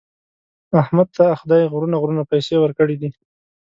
احمد ته خدای غرونه غرونه پیسې ورکړي دي.